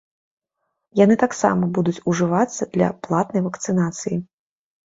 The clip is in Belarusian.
Яны таксама будуць ужывацца для платнай вакцынацыі.